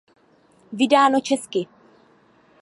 Vydáno česky.